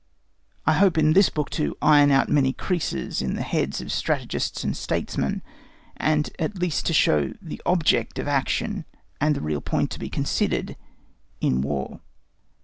I hope in this book to iron out many creases in the heads of strategists and statesmen, and at least to show the object of action, and the real point to be considered in War.